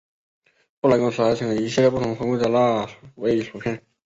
布莱公司还生产一系列不同风味的辣味薯片。